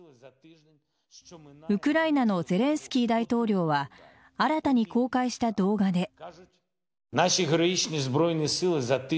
ウクライナのゼレンスキー大統領は新たに公開した動画で。